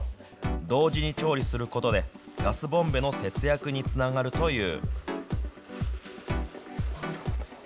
同時に調理することで、ガスボンベの節約につながるという。